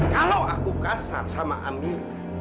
kalau aku kasar sama ambil